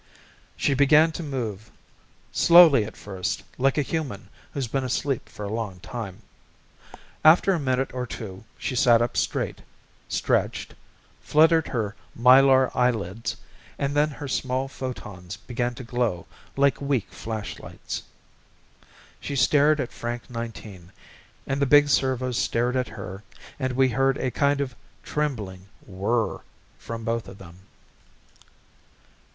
She began to move, slowly at first like a human who's been asleep a long time. After a minute or two she sat up straight, stretched, fluttered her Mylar eyelids and then her small photons began to glow like weak flashlights. She stared at Frank Nineteen and the big servo stared at her and we heard a kind of trembling whirr from both of them.